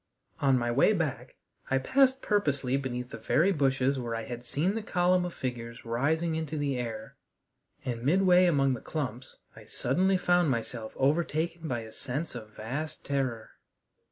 On my way back I passed purposely beneath the very bushes where I had seen the column of figures rising into the air, and midway among the clumps I suddenly found myself overtaken by a sense of vast terror.